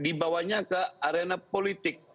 dibawanya ke arena politik